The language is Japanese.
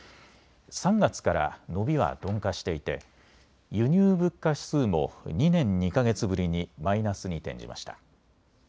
３月から伸びは鈍化していて輸入物価指数も２年２か月ぶりにマイナスに転じました。